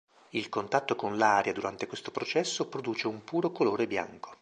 Il contatto con l'aria durante questo processo produce un puro colore bianco.